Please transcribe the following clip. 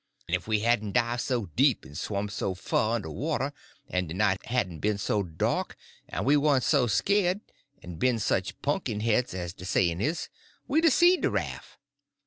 Ef we hadn' dive' so deep en swum so fur under water, en de night hadn' ben so dark, en we warn't so sk'yerd, en ben sich punkin heads, as de sayin' is, we'd a seed de raf'.